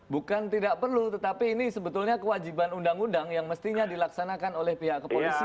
bukan tidak perlu tetapi ini sebetulnya kewajiban undang undang yang mestinya dilaksanakan oleh pihak kepolisian